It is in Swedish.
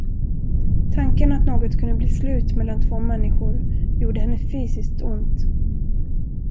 Tanken att något kunde bli slut mellan två människor gjorde henne fysiskt ont.